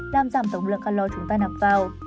làm giảm tổng lượng calor chúng ta nạp vào